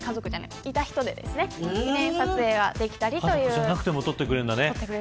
家族じゃなくても撮ってくれるんだね。